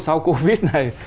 sau covid này